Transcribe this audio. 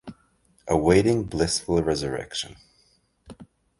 Awaiting blissful resurrection.